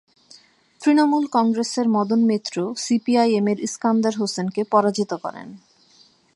তৃণমূল কংগ্রেসের Madan Mitra CPI M এর ইস্কান্দার হোসেনকে পরাজিত করেন।